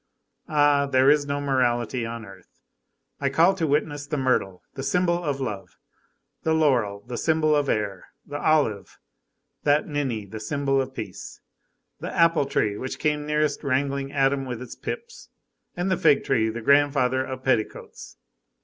Ah! there is no morality on earth. I call to witness the myrtle, the symbol of love, the laurel, the symbol of air, the olive, that ninny, the symbol of peace, the apple tree which came nearest rangling Adam with its pips, and the fig tree, the grandfather of petticoats.